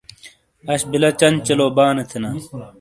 اش بلہ چنچلو بانے تھینا۔